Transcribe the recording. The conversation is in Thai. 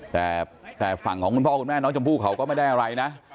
แต่ฝั่งของคุณพ่อคุณแม่น้องชมพู่เขาก็ไม่ได้อะไรนะ